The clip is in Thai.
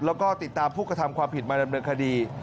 แล้วก็ติดตามผู้กระทำความผิดมาดำเนินคดี